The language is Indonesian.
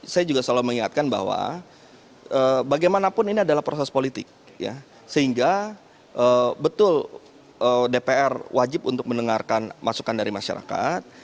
saya juga selalu mengingatkan bahwa bagaimanapun ini adalah proses politik sehingga betul dpr wajib untuk mendengarkan masukan dari masyarakat